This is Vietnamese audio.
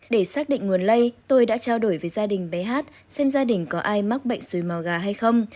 để xác định nguồn lây tôi đã trao đổi với gia đình bé hát xem gia đình có ai mắc bệnh xuồi máu gà hay không